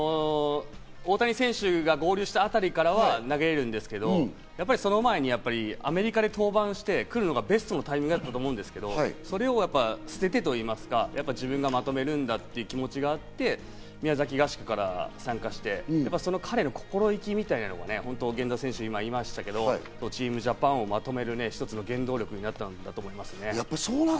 大谷選手が合流したあたりからは投げられるんですけど、その前にアメリカで登板して来るのがベストだったと思うんですけど、それを捨ててと言いますか、自分がまとめるんだという気持ちがあって宮崎合宿から参加して、その彼の心意気みたいなもの、源田選手が今いいましたけど、チームジャパンをまとめる一つの原動力になったのかと思いますね。